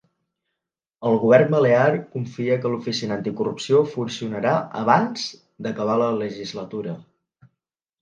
El govern balear confia que l’oficina anticorrupció funcionarà abans d’acabar la legislatura.